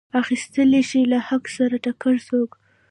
اخیستلی شي له حق سره ټکر څوک.